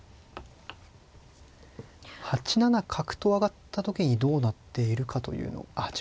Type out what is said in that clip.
８七角と上がった時にどうなっているかというのあっ８六角ですね。